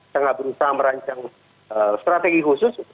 tengah berusaha merancang strategi khusus